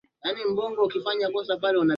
la sivyo angewaomba wote wanaounga mkono